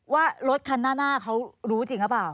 ว่ารถคันหน้าเขารู้จริงหรือเปล่า